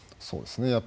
そうですね。